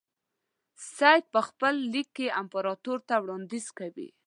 سید په خپل لیک کې امپراطور ته وړاندیز کوي.